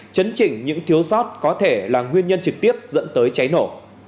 chấn chỉnh những thiếu sót có thể là nguyên nhân trực tiếp dẫn tới cháy nổ